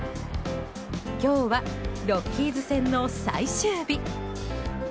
今日はロッキーズ戦の最終日。